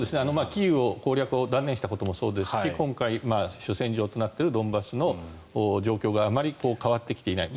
キーウの攻略を断念したこともそうですし今回主戦場となっているドンバスの状況があまり変わってきていない。